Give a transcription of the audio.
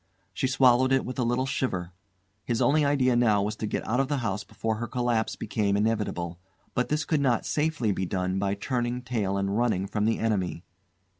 She swallowed it with a little shiver. His only idea now was to get out of the house before her collapse became inevitable; but this could not safely be done by turning tail and running from the enemy.